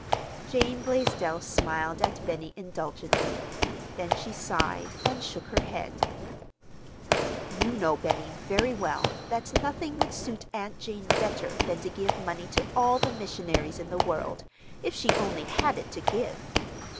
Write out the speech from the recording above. Jane Blaisdell smiled at Benny indulgently. Then she sighed and shook her head. "You know, Benny, very well, that nothing would suit Aunt Jane better than to give money to all the missionaries in the world, if she only had it to give!"